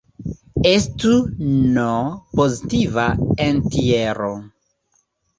Estu "n" pozitiva entjero.